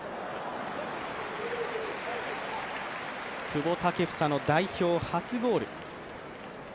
久保建英の代表初ゴール。